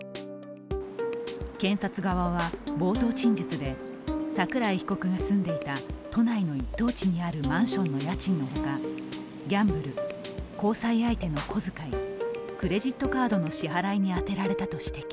検察側は冒頭陳述で桜井被告が住んでいた都内の一等地にあるマンションの家賃のほかギャンブル、交際相手の小遣い、クレジットカードの支払いに充てられたと指摘。